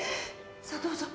さどうぞ。